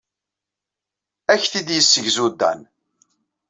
Ad ak-t-id-yessegzu Dan.